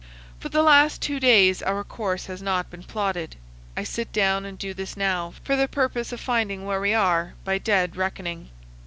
For the last two days our course has not been plotted. I sit down and do this now, for the purpose of finding where we are by dead reckoning.